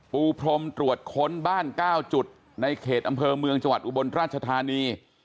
ปูพรมตรวจค้นบ้าน๙จุดในเขตอำเภอเมืองจังหวัดอุบลราชธานี